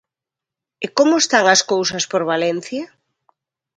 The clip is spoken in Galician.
E como están as cousas por Valencia?